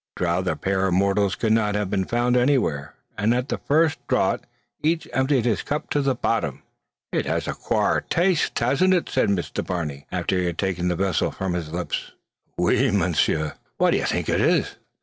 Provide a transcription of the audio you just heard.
A drouthier pair of mortals could not have been found anywhere; and at the first draught, each emptied his cup to the bottom! "It has a quare taste, hasn't it?" said Barney, after he had taken the vessel from his lips. "Oui! c'est vrai, monsieur!" "What dev ye think it is?"